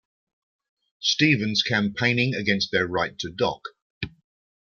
Stevens campaigning against their right to dock.